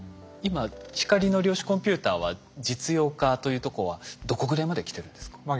今光の量子コンピューターは実用化というとこはどこぐらいまで来てるんですか？